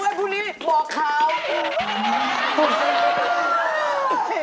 เขาจะได้ให้รักของเธอไว้พรุนี้